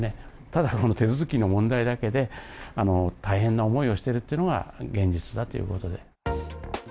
ただ、手続きの問題だけで、大変な思いをしているというのが現実だということで。